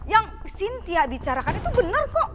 yang sintia bicarakan itu bener kok